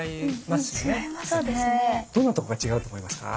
どんなとこが違うと思いますか？